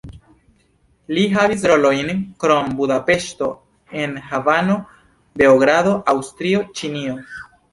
Li havis rolojn krom Budapeŝto en Havano, Beogrado, Aŭstrio, Ĉinio.